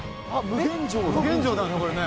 無限城だねこれね。